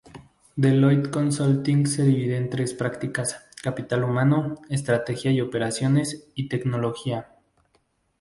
Deloitte Consulting se divide en tres prácticas: Capital Humano, Estrategia y Operaciones, y Tecnología.